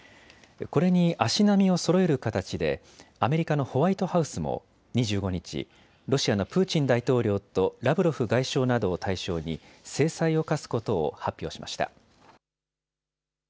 これに足並みをそろえる形でアメリカのホワイトハウスも２５日、ロシアのプーチン大統領とラブロフ外相などを対象に制裁を科すことを発表しました。